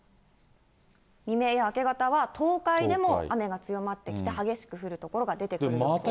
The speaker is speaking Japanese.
未明や明け方は、東海でも雨が強まってきて、激しく降る所が出てくる予想。